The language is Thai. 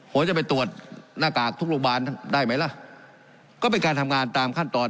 จะไปตรวจหน้ากากทุกโรงพยาบาลได้ไหมล่ะก็เป็นการทำงานตามขั้นตอน